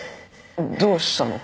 どうしたの？